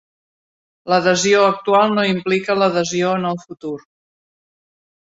L'adhesió actual no implica l'adhesió en el futur.